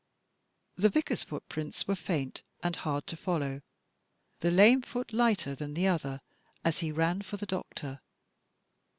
The Vicar's footprints were faint and hard to follow (the lame foot lighter than the other) as he ran for the doctor.